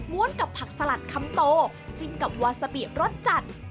กับผักสลัดคำโตจิ้มกับวาซาบิรสจัด